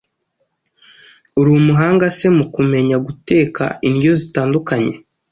uri umuhanga se mu kumenya guteka indyo zitandukanye,